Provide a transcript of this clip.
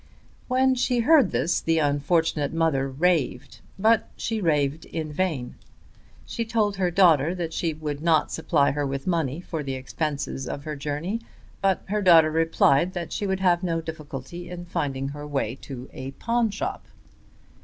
When she heard this the unfortunate mother raved, but she raved in vain. She told her daughter that she would not supply her with money for the expenses of her journey, but her daughter replied that she would have no difficulty in finding her way to a pawn shop.